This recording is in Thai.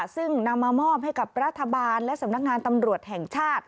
ซึ่งนำมามอบให้กับรัฐบาลและสำนักงานตำรวจแห่งชาติ